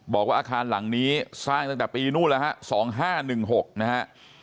บอกว่าอาคารหลังนี้สร้างตั้งแต่ปีนู้นแล้วสองห้าหนึ่งหกนะครับ